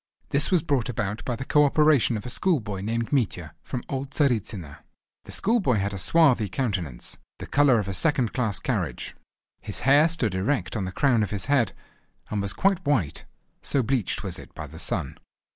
This was brought about by the co operation of a schoolboy named Mitya from old Tzaritzyno. The schoolboy had a swarthy countenance, the colour of a second class carriage. His hair stood erect on the crown of his head, and was quite white, so bleached was it by the sun.